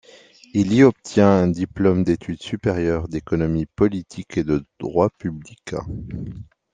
Il y obtient un diplôme d’études supérieures d’économie politique et de droit public.